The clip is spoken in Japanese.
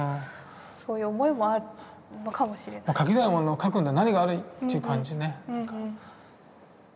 描きたいものを描くんだ何が悪い！っていう感じね。